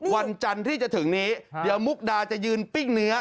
วันจันทร์ที่จะถึงนี้เดี๋ยวมุกดาจะยืนปิ้งเนื้อ